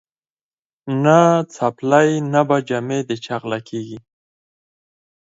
نه څپلۍ نه به جامې د چا غلاکیږي